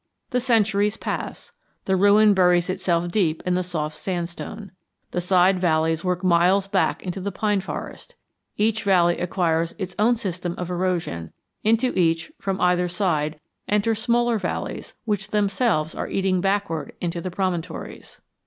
The centuries pass. The ruin buries itself deep in the soft sandstone. The side valleys work miles back into the pine forest. Each valley acquires its own system of erosion; into each, from either side, enter smaller valleys which themselves are eating backward into the promontories.